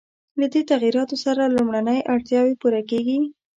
له دې تغییراتو سره لومړنۍ اړتیاوې پوره کېږي.